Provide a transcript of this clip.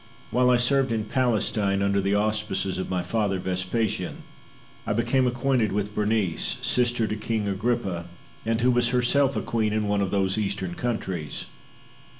Titus. While I served in Palestine under the auspices of my father, Vespasian, I became acquainted with Berenice, sister to King Agrippa, and who was herself a queen in one of those Eastern countries.